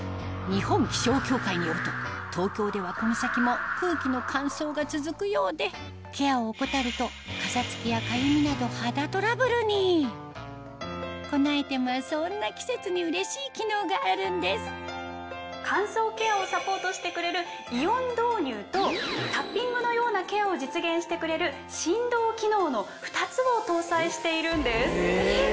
日本気象協会によると東京ではこの先も空気の乾燥が続くようでケアを怠るとかさつきやかゆみなど肌トラブルにこのアイテムはそんな季節にうれしい機能があるんです乾燥ケアをサポートしてくれるイオン導入とタッピングのようなケアを実現してくれる振動機能の２つを搭載しているんです。